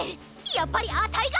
やっぱりあたいが！